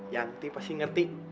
yanti pasti ngerti